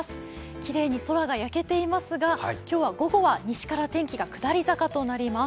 きれいに空が焼けていますが、今日午後は西から天気が下り坂となります。